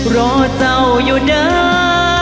รอเจ้าอยู่เด้อ